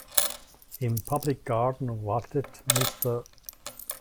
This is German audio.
Im Public Garden wartet Mr.